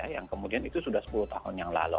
yang kemudian itu sudah sepuluh tahun yang lalu